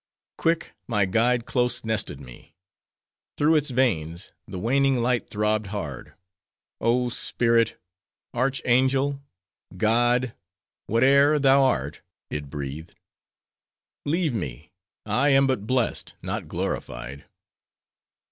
"Quick my guide close nested me; through its veins the waning light throbbed hard. "'Oh, spirit! archangel! god! whate'er thou art,' it breathed; 'leave me: I am but blessed, not glorified.